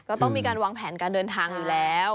ก็ต้องมีการวางแผนการเดินทางอยู่แล้ว